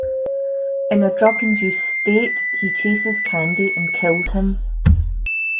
In a drug induced state, he chases Candy and kills him.